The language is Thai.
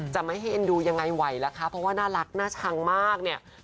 จะไม่ให้เอ็นดูยังไงไหวล่ะคะเพราะว่าน่ารักน่าชังมากเนี่ย